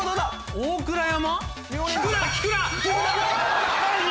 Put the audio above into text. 大倉山？